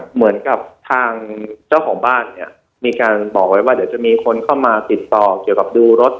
เหมือนกับทางเจ้าของบ้านเนี่ยมีการบอกไว้ว่าเดี๋ยวจะมีคนเข้ามาติดต่อเกี่ยวกับดูรถ